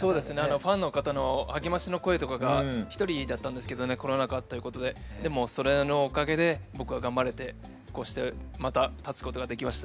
ファンの方の励ましの声とかが一人だったんですけどねコロナ禍ということででもそれらのおかげで僕は頑張れてこうしてまた立つことができました。